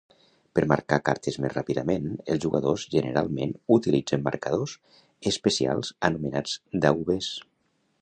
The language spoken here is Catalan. Per marcar cartes més ràpidament, els jugadors generalment utilitzen marcadors especials anomenats "daubers".